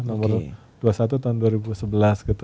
nomor dua puluh satu tahun dua ribu sebelas gitu